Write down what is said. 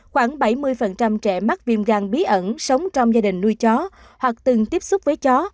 khoảng bảy mươi trẻ mắc viêm gan bí ẩn sống trong gia đình nuôi chó hoặc từng tiếp xúc với chó